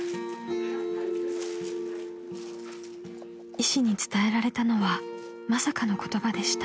［医師に伝えられたのはまさかの言葉でした］